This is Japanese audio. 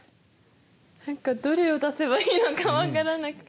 何かどれを出せばいいのか分からなくて。